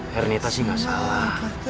herenita sih gak salah